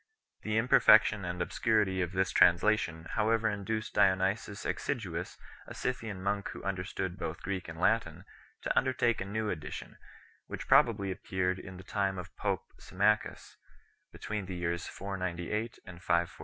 The imperfection and obscurity of this translation however induced Dionysius Exiguus, a Scythian monk who understood both Greek and Latin, to undertake a new edition, which probably appeared in the time of pope Symmachus, between the years 498 and 514 5